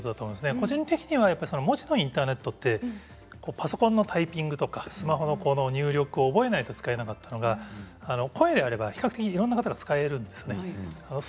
個人的には文字のインターネットはパソコンのタイピングとかスマホの入力を覚えないと使えなかったのが声だったら比較的いろんな方が使えます。